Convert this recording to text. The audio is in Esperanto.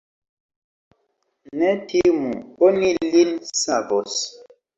Ne timu; oni lin savos.